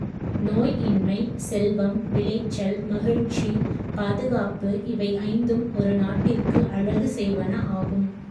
நோய் இன்மை, செல்வம், விளைச்சல், மகிழ்ச்சி, பாதுகாப்பு இவை ஐந்தும் ஒரு நாட்டிற்கு அழகு செய்வன ஆகும்.